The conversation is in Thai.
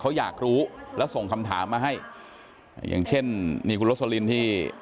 เขาอยากรู้แล้วส่งคำถามมาให้อย่างเช่นนี่คุณโรสลินที่